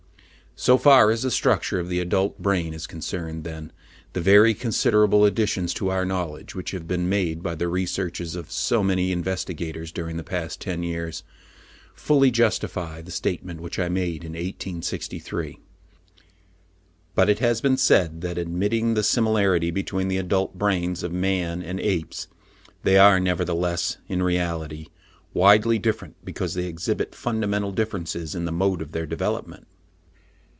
So far as the structure of the adult brain is concerned, then, the very considerable additions to our knowledge, which have been made by the researches of so many investigators, during the past ten years, fully justify the statement which I made in 1863. But it has been said, that, admitting the similarity between the adult brains of man and apes, they are nevertheless, in reality, widely different, because they exhibit fundamental differences in the mode of their development.